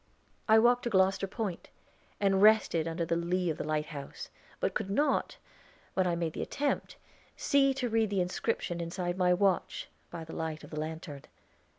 I walked to Gloster Point, and rested under the lee of the lighthouse, but could not, when I made the attempt, see to read the inscription inside my watch, by the light of the lantern.